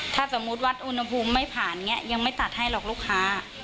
ถ้าสมมุติวัดอุณหภูมิไม่ผ่านเนี่ยยังไม่ตัดให้หรอกลูกค้า